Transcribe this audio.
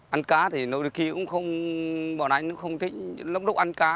ăn cá thì nỗi lúc khi cũng không bọn anh cũng không thích lúc lúc ăn cá